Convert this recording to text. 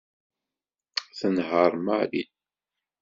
Tenheṛ Mary.